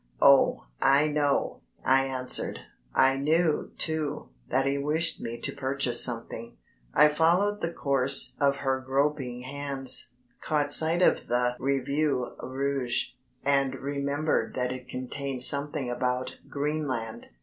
"Oh, I know," I answered. I knew, too, that he wished me to purchase something. I followed the course of her groping hands, caught sight of the Revue Rouge, and remembered that it contained something about Greenland.